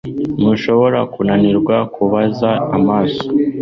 ntushobora kunanirwa kubabaza amaso